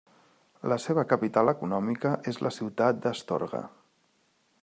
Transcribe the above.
La seva capital econòmica és la ciutat d'Astorga.